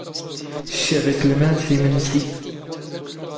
ⵛⵛⵉⵖ ⵉⵙⵍⵎⴰⵏ ⵙ ⵉⵎⵏⵙⵉ.